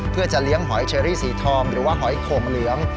เพื่อจะเลี้ยงหอยเชอรี่สีทองหรือว่าหอยโข่งเหลือง